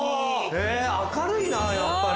明るいなやっぱり。